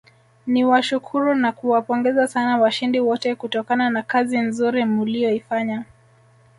Niwashukuru na kuwapongeza sana washindi wote kutokana na kazi nzuri mliyoifanya